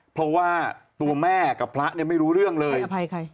เพราะว่าตัวแม่กับพระเนี่ยไม่รู้เรื่องเลยอภัยใคร